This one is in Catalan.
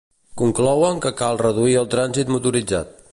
Conclouen que cal reduir el trànsit motoritzat.